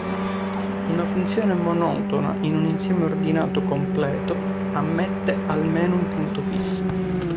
Una funzione monotona in un insieme ordinato completo ammette almeno un punto fisso.